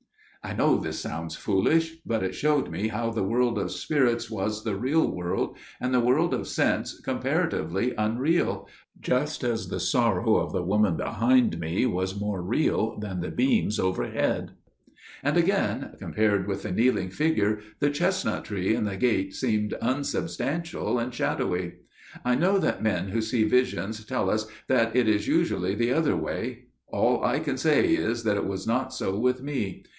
"I know this sounds foolish, but it showed me how the world of spirits was the real world, and the world of sense comparatively unreal, just as the sorrow of the woman behind me was more real than the beams overhead. "And again, compared with the kneeling figure, the chestnut tree and the gate seemed unsubstantial and shadowy. I know that men who see visions tell us that it is usually the other way. All I can say is that it was not so with me.